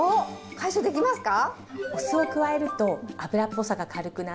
解消できますか？